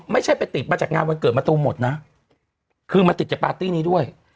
ไม่ใช่ไปติดมาจากงานวันเกิดมะตูมหมดนะคือมาติดจากปาร์ตี้นี้ด้วย